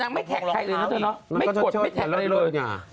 นี่จะไม่อยากแท็กใครเลยนะเถอะไม่กดไม่แท็กใครเลยค่ะอ้าวโอ้โฮ